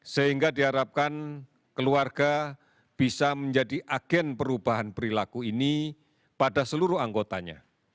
sehingga diharapkan keluarga bisa menjadi agen perubahan perilaku ini pada seluruh anggotanya